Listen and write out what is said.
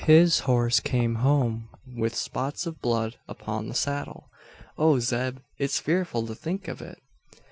His horse came home, with spots of blood upon the saddle. O Zeb! it's fearful to think of it!"